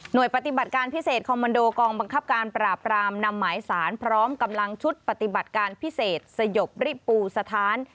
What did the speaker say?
โดยปฏิบัติการพิเศษคอมมันโดกองบังคับการปราบรามนำหมายสารพร้อมกำลังชุดปฏิบัติการพิเศษสยบริปูสถาน